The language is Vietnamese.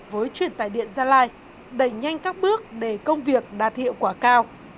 với truyền tài điện gia lai đẩy nhanh các bước để công việc đạt hiệu quả cao